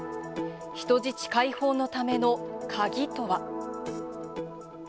人質解放のための鍵とは。